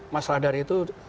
mas radar itu